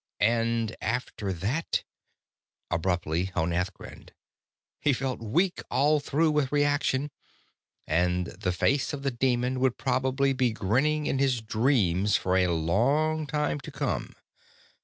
And after that ? Abruptly, Honath grinned. He felt weak all through with reaction, and the face of the demon would probably be grinning in his dreams for a long time to come.